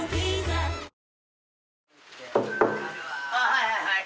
・はいはいはい。